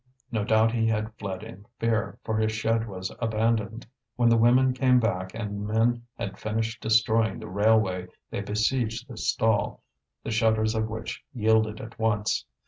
No doubt he had fled in fear, for his shed was abandoned. When the women came back, and the men had finished destroying the railway, they besieged the stall, the shutters of which yielded at once.